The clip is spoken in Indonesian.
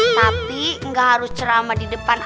tapi enggak harus ceramah di depan aku